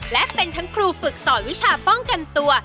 และเป็นทั้งครูฝึกสอนวิชาป้องกันตัว